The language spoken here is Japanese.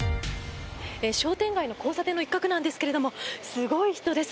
商店街の交差点の一角なんですけれどもすごい人です。